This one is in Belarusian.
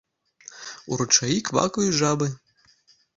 У ручаі квакаюць жабы.